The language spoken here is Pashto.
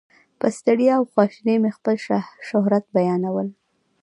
په ستړیا او خواشینۍ مې خپل شهرت بیانول.